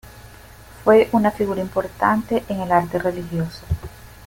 Fue una figura importante en el arte religioso.